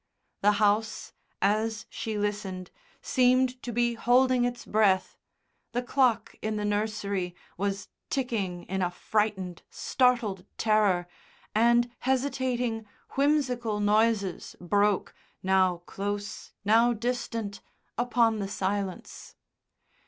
The house, as she listened, seemed to be holding its breath, the clock in the nursery was ticking in a frightened, startled terror, and hesitating, whimsical noises broke, now close, now distant, upon the silence.